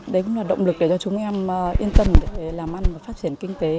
đấy cũng là động lực để cho chúng em yên tâm làm ăn và phát triển kinh tế